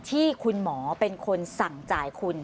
ที่คุณหมอเป็นคนสั่งจ่ายคุณ